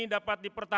dengan modal program